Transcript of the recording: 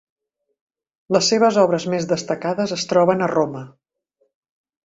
Les seves obres més destacades es troben a Roma.